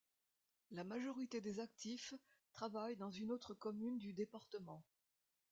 La majorité des actifs travaillent dans une autre commune du département.